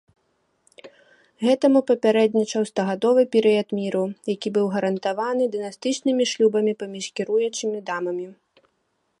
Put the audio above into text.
Гэтаму папярэднічаў стагадовы перыяд міру, які быў гарантаваны дынастычнымі шлюбамі паміж кіруючымі дамамі.